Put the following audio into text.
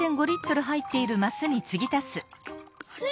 あれ？